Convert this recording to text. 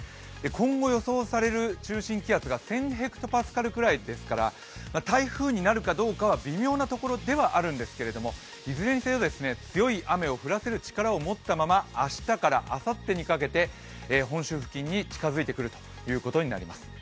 今後予想される中心気圧が１０００ｈＰａくらいですから台風になるかどうかは微妙なところではあるんですけれどもいずれにせよ強い雨を降らせる力を持ったまま明日からあさってにかけて本州付近に近づいてくるということになります。